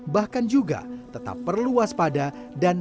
bahkan juga tetap berada di wilayah indonesia